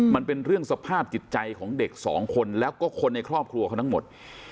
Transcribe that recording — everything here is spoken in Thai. มันเป็นเรื่องสภาพจิตใจของเด็กสองคนแล้วก็คนในครอบครัวเขาทั้งหมด